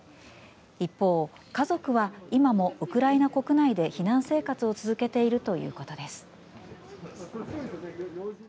一方、家族は今もウクライナ国内で避難生活を続けているということです。